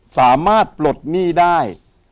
สามารถปลดหนี้ได้